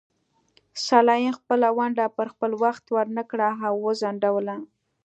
سلایم خپله ونډه پر خپل وخت ورنکړه او وځنډوله.